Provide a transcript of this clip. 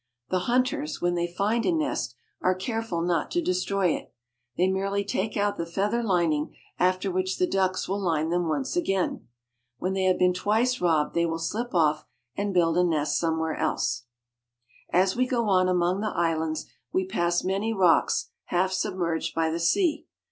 The hunters, when they find a nest, are careful not to de stroy it. They merely take out the feather lining, after which the ducks will line them once again. When they Eider Ducks. WHERE THE SUN SHINES AT MIDNIGHT. 1 73 have been twice robbed they will slip off and build a nest somewhere else. As we go on among the islands, we pass many rocks half submerged by the sea.